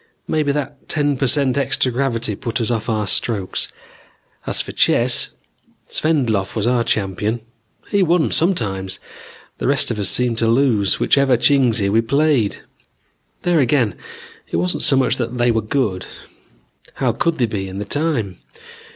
Maybe that ten per cent extra gravity put us off our strokes. As for chess, Svendlov was our champion. He won sometimes. The rest of us seemed to lose whichever Chingsi we played. There again it wasn't so much that they were good. How could they be, in the time?